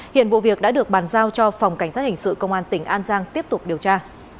hiện vụ việc đã được bàn giao cho phòng cảnh sát hình sự công an tỉnh an giang tiếp tục điều tra